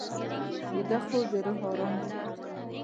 ویده خوب د روح ارام دی